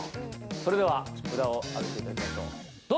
それでは札を上げていただきましょう。